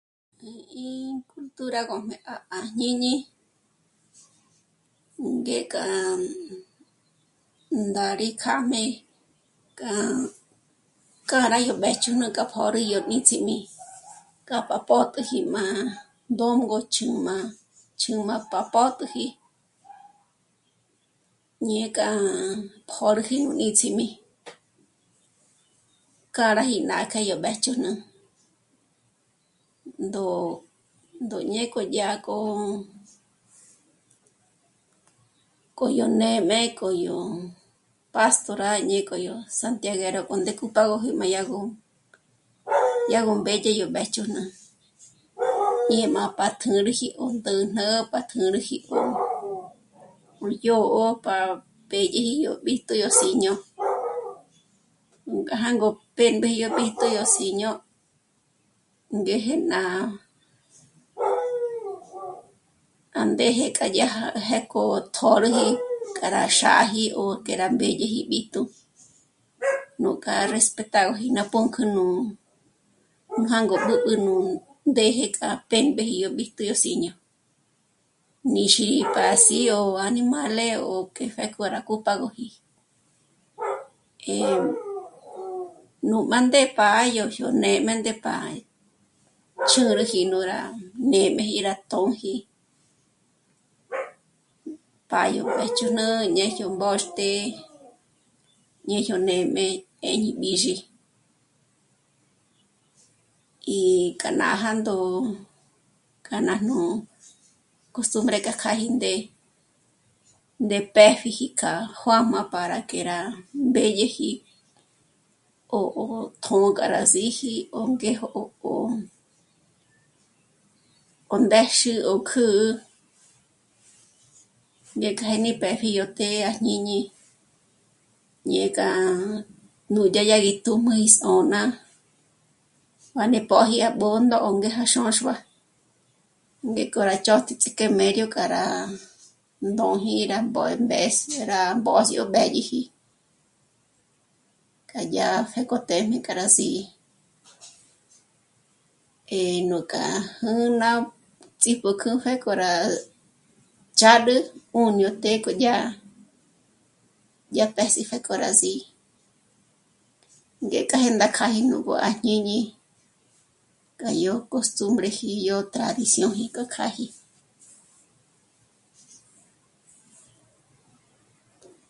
A... rí kjágo ma yá rá 'òb'ü 'i'i rá, irá pö̀tpüji pā́jnāga rí je má ndèmpa yá rá jé'kja rí jé mà ya rá 'òbü ngè rá juë̀ch'ë nù sibi, rá a veces rí 'òr pojo Síño Jêns'e k'a dyák'o sjéche k'e dya rá mími nù páa dyák'a. Ík'a, k'a b'ǘb'ü ná jo'o yo í familia k'o ínchí í'i jme chjé, k'o 'í'í ñicho má ñe k'o mǘzünk'o ñeje ndéxe yo tée, rá sípje Siño Jêns'e. Pòkü Palesito k'a íjésgi ró míjme nù páa dya, í ñe k'a ya rí, rí recibido o ñā́k'o rrá zǒ'o k'o rá 'äjä í nä̀b'ä. Rá 'òrü pòjo yá rá 'òbü, í'i á... o pjǘn chē'e nde sík'o yá rá 'òbü, jé rá k'akk'o má ya rá 'òbüb'a má ya go jiásü ga k'atk'o, rá 'òrü pòjo porque ró jiásü ná jo'o ngèk'o rí jàgok'o